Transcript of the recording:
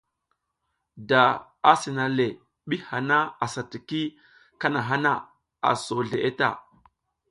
Da a sina le ɓi hana asa tiki kahana na, a so zleʼe ta.